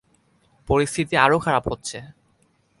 পরিস্থিতি আরো খারাপ হচ্ছে।